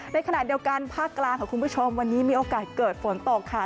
ในขณะเดียวกันภาคกลางค่ะคุณผู้ชมวันนี้มีโอกาสเกิดฝนตกค่ะ